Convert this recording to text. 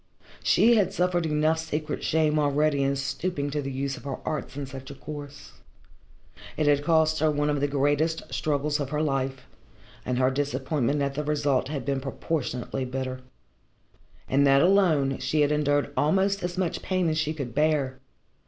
She had suffered enough secret shame already in stooping to the use of her arts in such a course. It had cost her one of the greatest struggles of her life, and her disappointment at the result had been proportionately bitter. In that alone she had endured almost as much pain as she could bear.